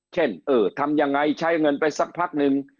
เออทำยังไงใช้เงินไปสักพักนึง